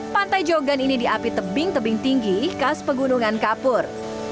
pantai jogan ini diapi tebing tebing tinggi khas pegunungan kapur